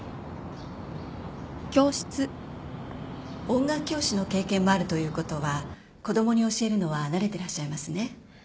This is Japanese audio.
音楽教師の経験もあるということは子供に教えるのは慣れてらっしゃいますね。